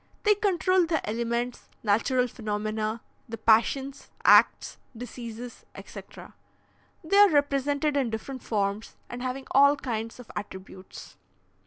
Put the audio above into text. They control the elements, natural phenomena, the passions, acts, diseases, etc. They are represented in different forms and having all kinds of attributes.